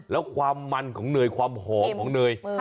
แล้วความมันของเนยความหอมของเนย